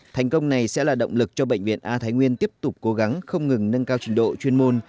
thành công này sẽ là động lực cho bệnh viện a thái nguyên tiếp tục cố gắng không ngừng nâng cao trình độ chuyên môn